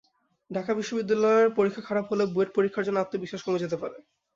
ঢাকা বিশ্ববিদ্যালয়ের পরীক্ষা খারাপ হলে বুয়েট পরীক্ষার জন্য আত্মবিশ্বাস কমে যেতে পারে।